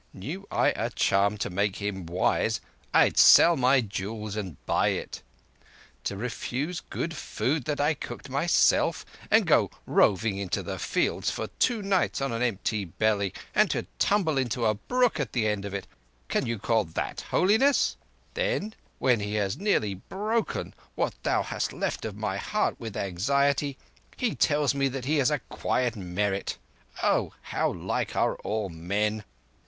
Knew I a charm to make him wise, I'd sell my jewels and buy it. To refuse good food that I cooked myself—and go roving into the fields for two nights on an empty belly—and to tumble into a brook at the end of it—call you that holiness? Then, when he has nearly broken what thou hast left of my heart with anxiety, he tells me that he has acquired merit. Oh, how like are all men!